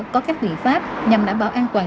có các định pháp nhằm đảm bảo an toàn